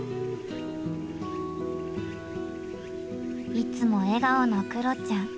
いつも笑顔のクロちゃん